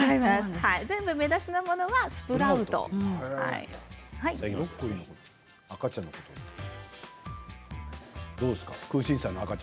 全部芽出しのものはスプラウトです。